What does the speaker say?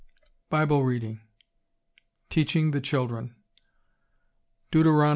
BIBLE READING TEACHING THE CHILDREN Deut.